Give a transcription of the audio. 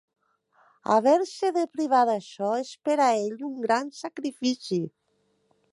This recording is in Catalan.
Haver-se de privar d'això és per a ell un gran sacrifici.